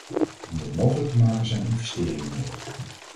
Om dat mogelijk te maken zijn investeringen nodig.